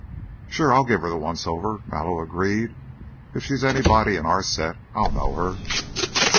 "Sure. I'll give her the once over," Mallow agreed. "If she's anybody in our set, I'll know her."